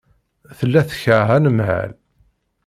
Tella tekṛeh anemhal.